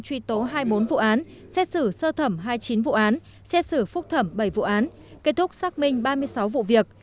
truy tố hai mươi bốn vụ án xét xử sơ thẩm hai mươi chín vụ án xét xử phúc thẩm bảy vụ án kết thúc xác minh ba mươi sáu vụ việc